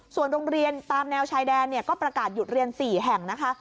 ส่วนโรงเรียนตามแนวชายแดนก็ประกาศหยุดเรียน๔แห่งนะคะ